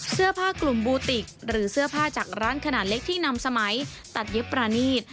เสื้อผ้ากลุ่มบูติกหรือเสื้อผ้าจากร้านขนาดเล็กที่นำสมัยตัดเย็บประณีต